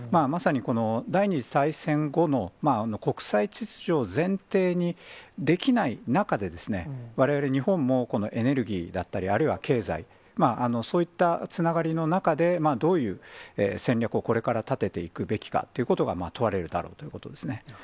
まさにこの第２次大戦後の国際秩序を前提にできない中で、われわれ日本も、このエネルギーだったり、あるいは経済、そういったつながりの中で、どういう戦略をこれから立てていくべきかということが問われるだろうということですね。